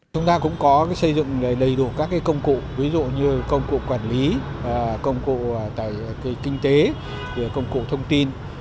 chúng ta cũng có xây dựng đầy đủ các công cụ ví dụ như công cụ quản lý công cụ kinh tế công cụ thông tin